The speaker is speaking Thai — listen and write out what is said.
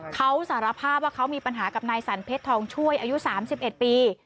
เขาสารภาพว่าเขามีปัญหากับนายสันเพชรทองช่วยอายุ๓๑ปี